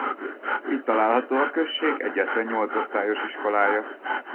Itt található a község egyetlen nyolcosztályos iskolája.